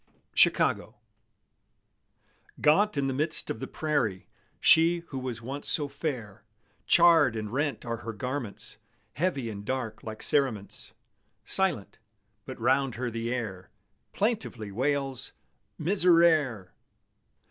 CHICAGO Gaunt in the midst of the prairie, She who was once so fair; Charred and rent are her garments, Heavy and dark like cerements; Silent, but round her the air Plaintively wails, "Miserere!"